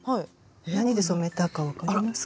何で染めたか分かりますか？